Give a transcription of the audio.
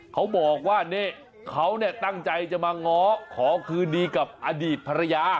เขาบอกว่านี่เขาตั้งใจจะมาง้อขอคืนดีกับอดีตภรรยา